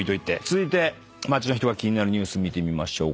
続いて街の人が気になるニュース見てみましょう。